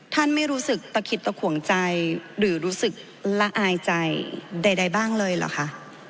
ไม่รู้สึกตะขิดตะขวงใจหรือรู้สึกละอายใจใดบ้างเลยเหรอคะ